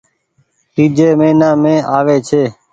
تيجي مهينا مينٚ آوي ڇي